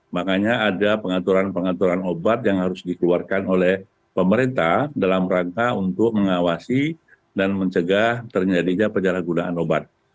makanya ada pengaturan pengaturan obat yang harus dikeluarkan oleh pemerintah dalam rangka untuk mengawasi dan mencegah terjadinya penyalahgunaan obat